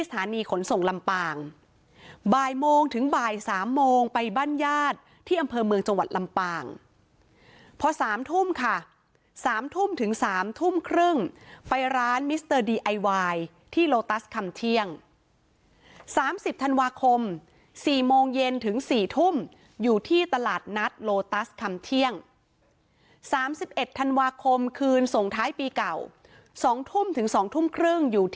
สถานีขนส่งลำปางบ่ายโมงถึงบ่าย๓โมงไปบ้านญาติที่อำเภอเมืองจังหวัดลำปางพอ๓ทุ่มค่ะ๓ทุ่มถึง๓ทุ่มครึ่งไปร้านมิสเตอร์ดีไอวายที่โลตัสคำเที่ยง๓๐ธันวาคม๔โมงเย็นถึง๔ทุ่มอยู่ที่ตลาดนัดโลตัสคำเที่ยง๓๑ธันวาคมคืนส่งท้ายปีเก่า๒ทุ่มถึง๒ทุ่มครึ่งอยู่ที่